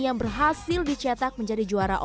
yang berhasil dicetak menjadi juara